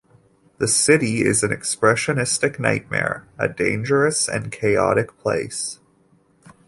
The city is an expressionistic nightmare, a dangerous and chaotic place.